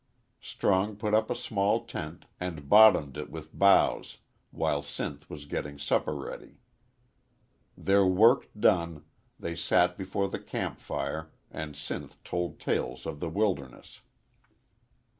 Strong put up a small tent and bottomed it with boughs while Sinth was getting supper ready. Their work done, they sat before the camp fire and Sinth told tales of the wilderness.